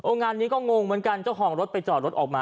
งานนี้ก็งงเหมือนกันเจ้าของรถไปจอดรถออกมา